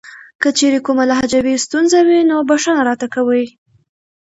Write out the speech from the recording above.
کچېرې کومه لهجوي ستونزه وي نو بښنه راته کوئ .